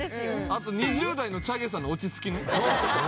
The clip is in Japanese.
あと２０代のＣｈａｇｅさんの落ち着きね。